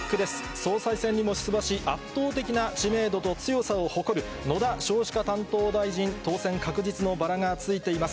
総裁選にも出馬し、圧倒的な知名度と強さを誇る野田少子化担当大臣、当選確実のバラがついています。